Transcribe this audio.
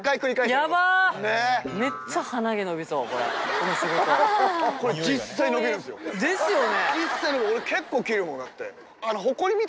この仕事。ですよね？